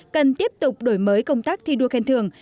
cần tiếp tục đổi mới công tác thi đua khen thường